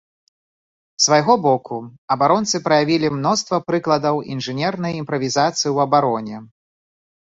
З свайго боку, абаронцы праявілі мноства прыкладаў інжынернай імправізацыі ў абароне.